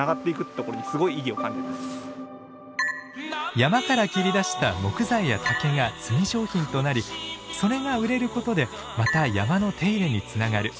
山から切り出した木材や竹が炭商品となりそれが売れることでまた山の手入れにつながる。